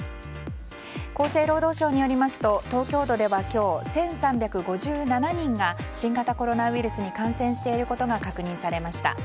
厚生労働省によりますと東京都では今日１３５７人が新型コロナウイルスに感染していることが確認されました。